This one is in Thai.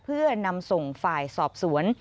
เพื่อนำส่งฝ่ายสอบสวน